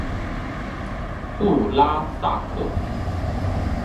布拉萨克。